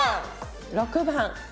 ６番。